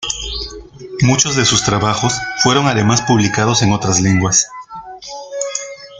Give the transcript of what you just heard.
Muchos de sus trabajos fueron además publicados en otras lenguas.